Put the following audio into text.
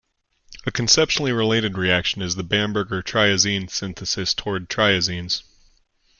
A conceptually related reaction is the Bamberger triazine synthesis towards triazines.